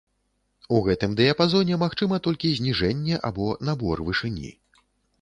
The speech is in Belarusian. У гэтым дыяпазоне магчыма толькі зніжэнне або набор вышыні.